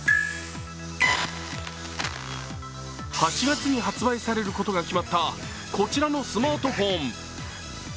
８月に発売されることが決まったこちらのスマートフォン。